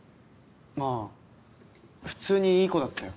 まあ普通にいい子だったよ。